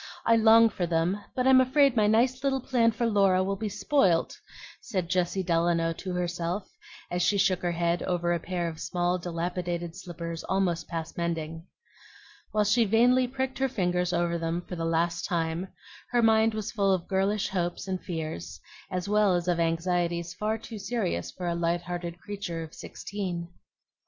I long for them, but I'm afraid my nice little plan for Laura will be spoilt," said Jessie Delano to herself, as she shook her head over a pair of small, dilapidated slippers almost past mending. While she vainly pricked her fingers over them for the last time, her mind was full of girlish hopes and fears, as well as of anxieties far too serious for a light hearted creature of sixteen.